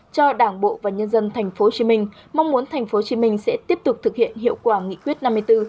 cho đảng bộ và nhân dân tp hcm mong muốn tp hcm sẽ tiếp tục thực hiện hiệu quả nghị quyết năm mươi bốn